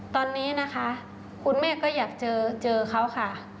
ตอนนี้นะคะคุณแม่ก็อยากเจอเขาค่ะ